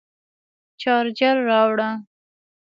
شارجر راوړه